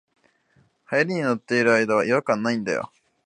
流行に乗ってる間は違和感ないんだよ